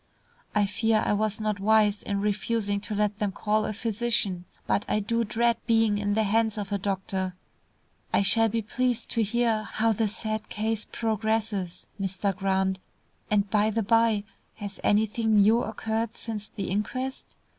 "I fear I was not wise in refusing to let them call a physician, but I do dread being in the hands of a doctor. I shall be pleased to hear how this sad case progresses, Mr. Grant, and by the bye, has anything new occurred since the inquest?